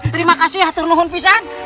terima kasih atu nuhun pisang